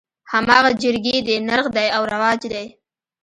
هماغه جرګې دي نرخ دى او رواج دى.